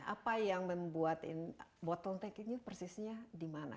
apa yang membuatin bottleneck ini persisnya di mana